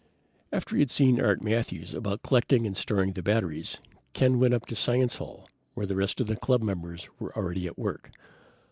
After he had seen Art Matthews about collecting and storing the batteries, Ken went up to Science Hall where the rest of the club members were already at work.